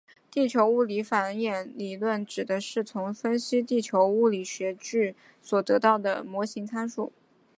地球物理的反演理论指的是从分析地球物理数据所得到的模型参数。